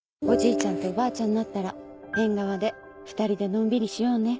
ちゃんとおばあちゃんになったら縁側で２人でのんびりしようね。